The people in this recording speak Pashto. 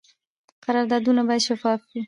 قراردادونه باید شفاف وي